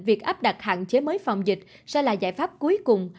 việc áp đặt hạn chế mới phòng dịch sẽ là giải pháp cuối cùng